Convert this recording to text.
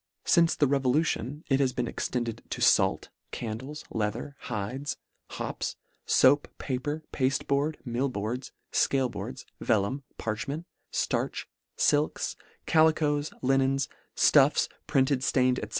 Since the revolution it has been extended to fait, candles, leather, hides, hops, foap, paper, pafte board, mill boards, fcaleboards, vellum, parchment, ftarch, filks, calicoes, linens, fluffs, printed, ftained, &c.